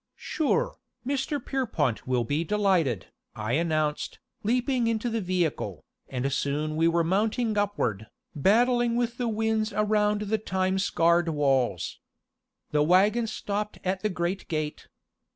"Sure, Mr. Pierrepont will be delighted," I announced, leaping into the vehicle, and soon we were mounting upward, battling with the winds around the time scarred walls. The wagon stopped at the great gate.